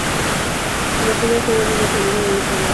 Nació en el seno de una familia de diplomáticos.